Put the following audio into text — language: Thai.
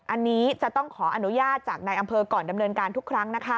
อันนี้จะต้องขออนุญาตจากนายอำเภอก่อนดำเนินการทุกครั้งนะคะ